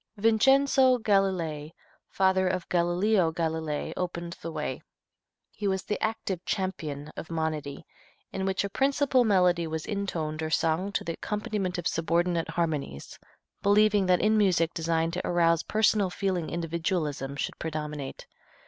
Vincenzo Galilei, father of Galileo Galilei, opened the way. He was the active champion of monody, in which a principal melody was intoned or sung to the accompaniment of subordinate harmonies, believing that in music designed to arouse personal feeling individualism should predominate.